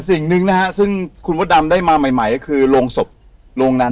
สิ่งหนึ่งนะครับซึ่งคุณหมดดำได้มาใหม่คือโรงศพโรงนั้น